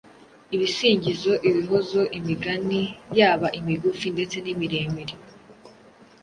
ibisingizo, ibihozo, imigani yaba imigufi ndetse n’imiremire,